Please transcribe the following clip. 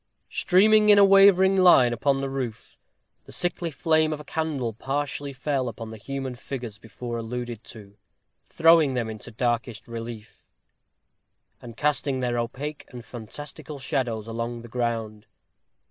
Streaming in a wavering line upon the roof, the sickly flame of a candle partially fell upon the human figures before alluded to, throwing them into darkest relief, and casting their opaque and fantastical shadows along the ground.